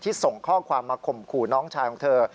ส่งข้อความมาข่มขู่น้องชายของเธอ